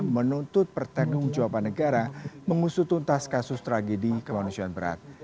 menuntut pertanggung jawaban negara mengusutuntas kasus tragedi kemanusiaan berat